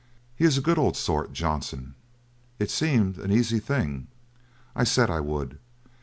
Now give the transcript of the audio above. "He is a good old sort, Johnson; it seemed an easy thing. I said I would.